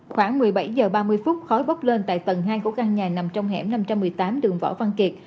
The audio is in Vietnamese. khoảng một mươi bảy h ba mươi phút khói bốc lên tại tầng hai của căn nhà nằm trong hẻm năm trăm một mươi tám đường võ văn kiệt